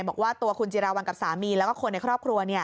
บอกว่าตัวคุณจิราวัลกับสามีแล้วก็คนในครอบครัว